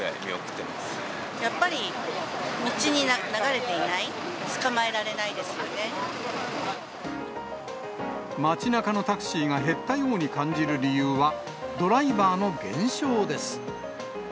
やっぱり道に流れていない、街なかのタクシーが減ったように感じる理由は、ドライバーの減少です。